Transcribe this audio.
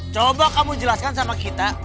coba kamu jelaskan sama kita